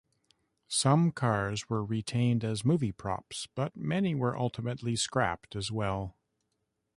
Some cars were retained as movie props, but many were ultimately scrapped as well.